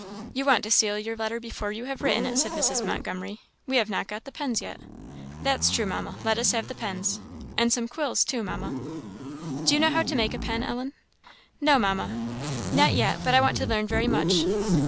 "You want to seal your letter before you have written it," said Mrs. Montgomery "we have not got the pens yet." "That's true, Mamma let us have the pens. And some quills too, Mamma?" "Do you know how to make a pen, Ellen?" "No, Mamma, not yet; but I want to learn very much.